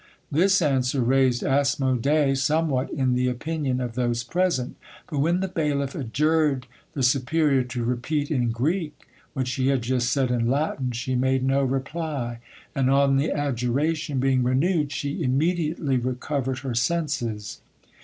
This answer raised Asmodee somewhat in the opinion of those present; but when the bailiff adjured the superior to repeat in Greek what she had just said in Latin she made no reply, and on the adjuration being renewed she immediately recovered her senses.